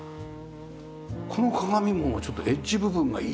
この鏡もちょっとエッジ部分がいいじゃないですか。